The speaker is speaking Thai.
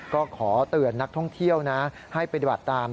ก็ขอเตือนนักท่องเที่ยวนะให้ปฏิบัติตาม